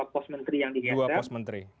pos menteri yang di geser